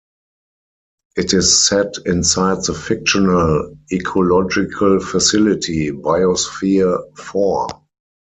It is set inside the fictional ecological facility, Biosphere Four.